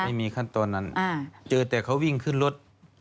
ไม่มีขั้นตอนนั้นเจอแต่เขาวิ่งขึ้นรถ